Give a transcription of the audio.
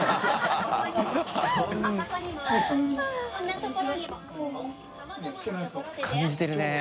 中島）感じてるね。